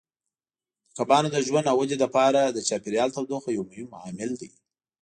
د کبانو د ژوند او ودې لپاره د چاپیریال تودوخه یو مهم عامل دی.